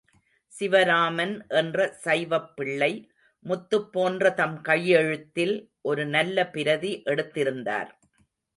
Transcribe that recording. சிவராமன் என்ற சைவப்பிள்ளை, முத்துப் போன்ற தம் கையெழுத்தில் ஒரு நல்ல பிரதி எடுத்திருந்தார்.